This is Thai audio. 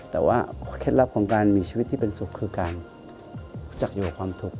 แต่ว่าเคล็ดลับของการมีชีวิตที่เป็นสุขคือการจับอยู่กับความทุกข์